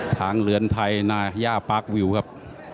ทางเหลือนไทยหน้าหญ้าปาร์ควิวครับ